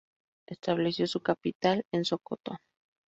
Estableció su capital en Sokoto.